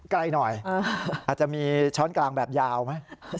ไกลหน่อยอาจจะมีช้อนกลางแบบยาวไหม